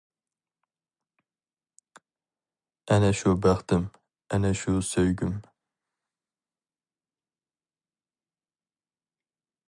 ئەنە شۇ بەختىم، ئەنە شۇ سۆيگۈم.